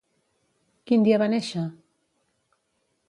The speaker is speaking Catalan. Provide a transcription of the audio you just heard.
Quin dia va néixer?